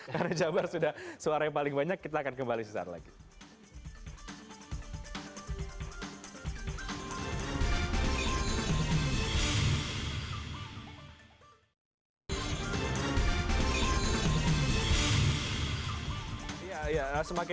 karena jawa barat sudah suara yang paling banyak kita akan kembali sesaat lagi